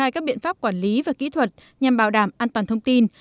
các quản lý và kỹ thuật nhằm bảo đảm an toàn thông tin